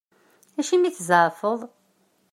Acimi i tzeɛfeḍ?